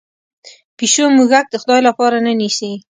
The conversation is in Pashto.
پیشو موږک د خدای لپاره نه نیسي.